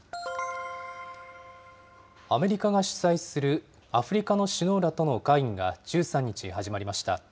アメリカが主催するアフリカの首脳らとの会議が、１３日、始まりました。